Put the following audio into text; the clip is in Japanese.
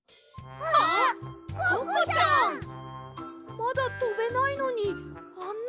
まだとべないのにあんな